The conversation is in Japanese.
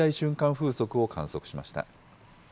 風速を観測しました。